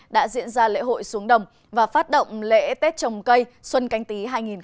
đã diễn ra lễ hội xuống đồng và phát động lễ tết trồng cây xuân canh tí hai nghìn hai mươi